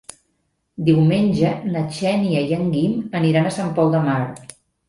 Diumenge na Xènia i en Guim aniran a Sant Pol de Mar.